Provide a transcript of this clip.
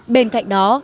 bên cạnh đó